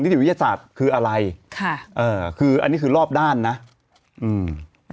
ติวิทยาศาสตร์คืออะไรค่ะเอ่อคืออันนี้คือรอบด้านนะอืม